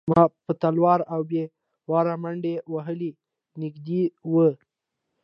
ما په تلوار او بې واره منډې وهلې نږدې و.